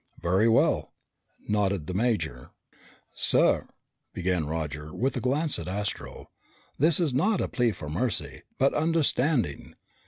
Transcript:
"Very well," nodded the major. "Sir," began Roger, with a glance at Astro, "this is not a plea for mercy but understanding.